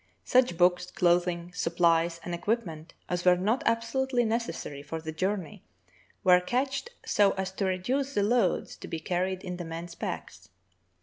Such books, clothing, supplies, and equipment as were not absolutely necessary for the journey were cached so as to reduce the loads to be carried in the men's packs.